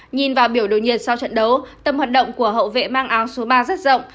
nhìn vào biểu đồ nhiệt sau trận đấu tầm hoạt động của hậu vệ mang áo số ba rất rộng